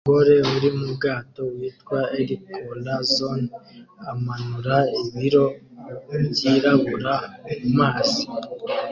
Umugore uri mu bwato witwa "El Corazon" amanura ibiro byirabura mumazi